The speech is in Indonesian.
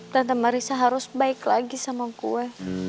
tante marisa harus baik lagi sama gue